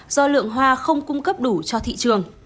do lượng hoa không cung cấp đủ cho thị trường